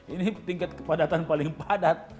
ini tingkat kepadatan paling padat